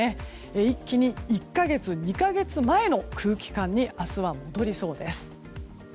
一気に１か月２か月前の空気感に明日は戻りそうです。